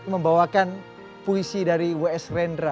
membawakan puisi dari w s rendra